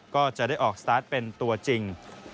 ก็จะได้ออกสตาร์ทเป็นตัวจริง